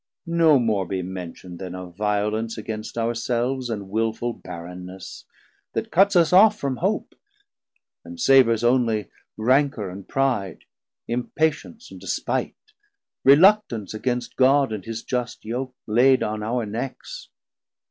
1040 No more be mention'd then of violence Against our selves, and wilful barrenness, That cuts us off from hope, and savours onely Rancor and pride, impatience and despite, Reluctance against God and his just yoke Laid on our Necks.